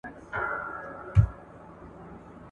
د استاد رول تر شاګرد ډېر مهم دی.